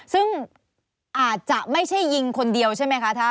ซึ่งอาจจะไม่ใช่ยิงคนเดียวใช่ไหมคะท่าน